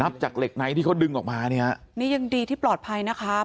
จากเหล็กไนท์ที่เขาดึงออกมาเนี่ยนี่ยังดีที่ปลอดภัยนะครับ